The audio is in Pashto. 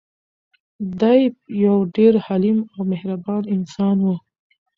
دی یو ډېر حلیم او مهربان انسان و.